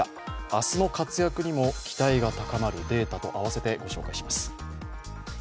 明日の活躍にも期待が高まるデータとあわせてご紹介します。